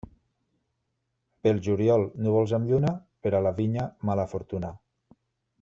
Pel juliol, núvols amb lluna, per a la vinya mala fortuna.